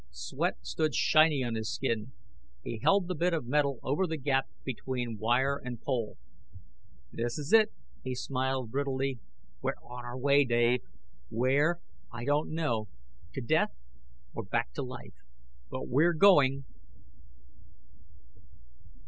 Sweat stood shiny on his skin. He held the bit of metal over the gap between wire and pole. "This is it!" he smiled brittlely. "We're on our way, Dave. Where, I don't know. To death, or back to life. But we're going!"